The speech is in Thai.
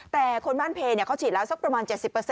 แต่คนบ้านเพเขาฉีดแล้วสักประมาณ๗๐